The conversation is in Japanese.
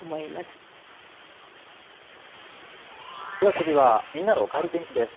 次は、みんなのおかえり天気です。